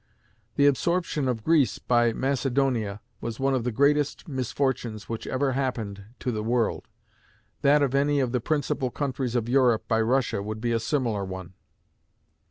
The absorption of Greece by Macedonia was one of the greatest misfortunes which ever happened to the world; that of any of the principal countries of Europe by Russia would be a similar one.